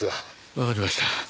わかりました。